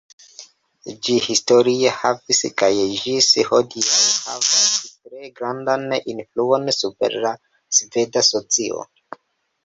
Ĝi historie havis kaj ĝis hodiaŭ havas tre grandan influon super la sveda socio.